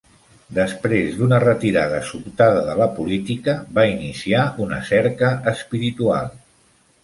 Després d'una retirada sobtada de la política, va iniciar una "cerca espiritual".